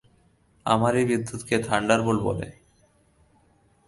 আমার এই বিদ্যুৎকে থান্ডারবোল্ট বলে।